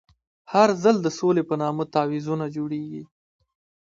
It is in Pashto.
هر ځل د سولې په نامه تعویضونه جوړېږي.